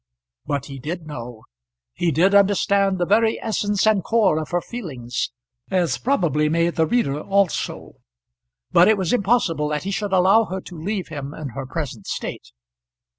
But he did know. He did understand the very essence and core of her feelings; as probably may the reader also. But it was impossible that he should allow her to leave him in her present state.